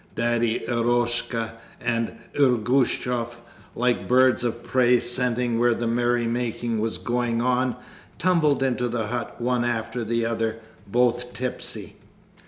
Daddy Eroshka and Ergushov, like birds of prey, scenting where the merry making was going on, tumbled into the hut one after the other, both tipsy.